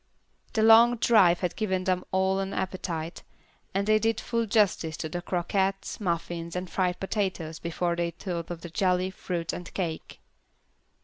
The long drive had given them all an appetite, and they did full justice to the croquettes, muffins and fried potatoes before they thought of the jelly, fruit and cake.